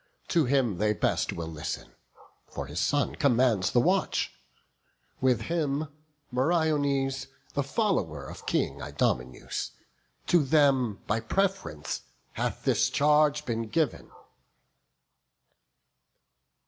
To him they best will listen; for his son Commands the watch; with him Meriones, The follower of the King Idomeneus: To them by pref'rence hath this charge been giv'n."